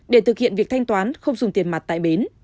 để thực hiện việc thanh toán không dùng tiền mặt tại bến